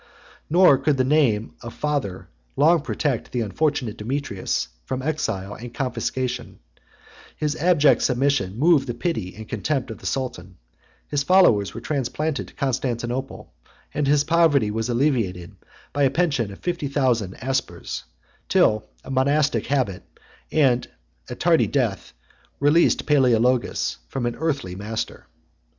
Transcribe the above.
892 Nor could the name of father long protect the unfortunate Demetrius from exile and confiscation; his abject submission moved the pity and contempt of the sultan; his followers were transplanted to Constantinople; and his poverty was alleviated by a pension of fifty thousand aspers, till a monastic habit and a tardy death released Palæologus from an earthly master.